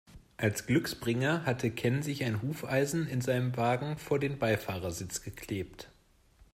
Als Glücksbringer hatte Ken sich ein Hufeisen in seinem Wagen vor den Beifahrersitz geklebt.